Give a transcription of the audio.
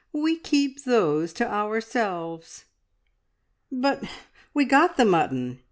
We keep those to ourselves." "But but we got the mutton!